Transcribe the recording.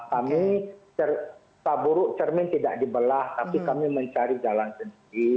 kami terburuk cermin tidak dibelah tapi kami mencari jalan sendiri